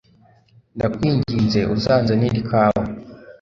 ndakwinginze uzanzanire ikawa